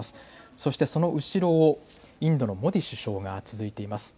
そしてその後ろをインドのモディ首相が続いています。